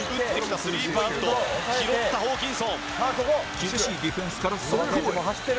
厳しいディフェンスから。